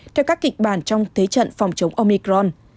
theo các kịch bản trong thế trận phòng chống omicron